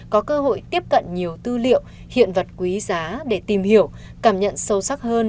có cơ hội tiếp cận nhiều tư liệu hiện vật quý giá để tìm hiểu cảm nhận sâu sắc hơn